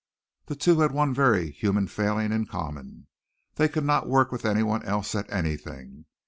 The two had one very human failing in common they could not work with anyone else at anything.